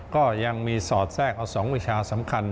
ก็ยังมีสอดแทรกเอา๒วิชาสำคัญ